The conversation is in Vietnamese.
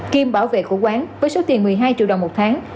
kiêm bảo vệ của quán với số tiền một mươi hai triệu đồng một tháng